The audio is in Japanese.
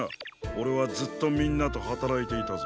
オレはずっとみんなとはたらいていたぞ。